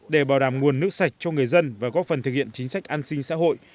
để bảo đảm nguồn nước sạch cho người dân và góp phần thực hiện chính sách an sinh xã hội